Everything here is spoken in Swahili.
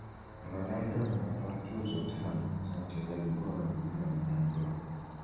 Ronaldo ametwaa tuzo tano za mchezaji bora wa dunia Ballon dOr